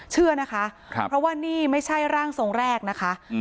เชื่อนะคะเพราะว่านี่ไม่ใช่ร่างทรงแรกนะคะ